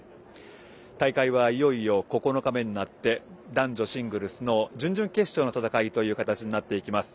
大会はいよいよ９日目になって男女シングルスの準々決勝の戦いとなっていきます。